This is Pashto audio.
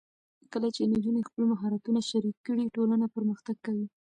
کله چې نجونې خپل مهارتونه شریک کړي، ټولنه پرمختګ کوي.